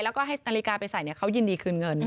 แล้วก็ให้นาฬิกาไปใส่เขายินดีคืนเงิน